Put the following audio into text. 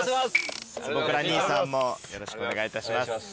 坪倉兄さんもよろしくお願いいたします。